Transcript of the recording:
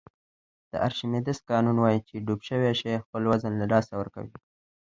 د ارشمیدس قانون وایي چې ډوب شوی شی خپل وزن له لاسه ورکوي.